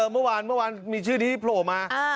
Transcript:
เมื่อวานมีชื่อที่โผล่มา